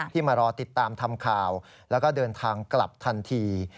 มารอติดตามทำข่าวแล้วก็เดินทางกลับทันที